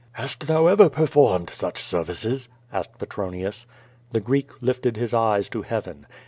"Hast thou ever performed such services?" asked Petro nius. The Greek lifted his eyes to heaven.